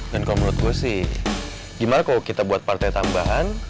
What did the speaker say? dan kalau menurut gue sih gimana kalau kita buat partai tambahan